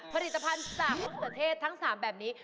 ผลิตภัณฑ์สามสัตว์สเทศทั้งสามแบบนี้